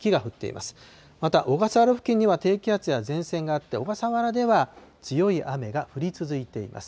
また小笠原付近には低気圧や前線があって、小笠原では強い雨が降り続いています。